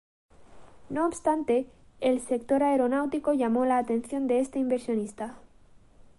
No obstante, el sector aeronáutico llamó la atención de este inversionista.